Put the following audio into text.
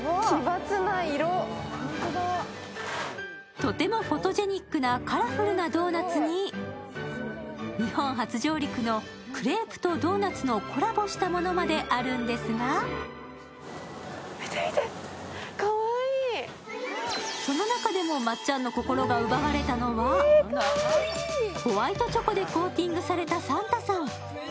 とてもフォトジェニックなカラフルなドーナツに、日本初上陸のクレープとドーナツのコラボしたものまであるんですがその中でもまっちゃんの心が奪われたのはホワイトチョコでコーティングされたサンタさん。